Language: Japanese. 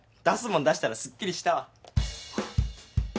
出すもん出したらすっきりしたわ。